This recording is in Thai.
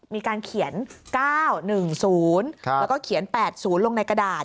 มีการเขียน๙๑๐แล้วก็เขียน๘๐ลงในกระดาษ